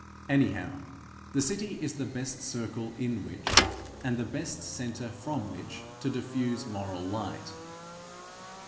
Anyhow the city is the best circle in which, and the best centre from which to diffuse moral light.